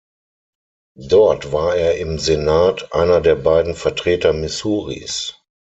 Dort war er im Senat einer der beiden Vertreter Missouris.